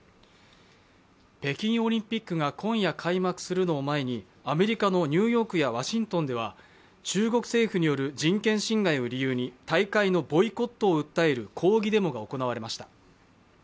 北京オリンピックが今夜開幕するのを前にアメリカのニューヨークやワシントンでは、中国政府による人権侵害を理由に大会のボイコットを訴える抗議デモが行われました。